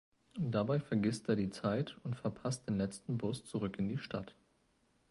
Dabei vergisst er die Zeit und verpasst den letzten Bus zurück in die Stadt.